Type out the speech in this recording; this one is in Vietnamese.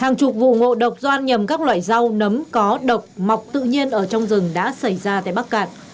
hàng chục vụ ngộ độc do ăn nhầm các loại rau nấm có độc mọc tự nhiên ở trong rừng đã xảy ra tại bắc cạn